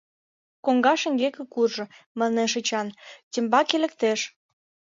— Коҥга шеҥгеке куржо, — манеш Эчан, тембаке лектеш.